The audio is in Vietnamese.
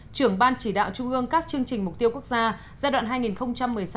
trưởng ban chỉ đạo trung ương các chương trình mục tiêu quốc gia giai đoạn hai nghìn một mươi sáu hai nghìn hai mươi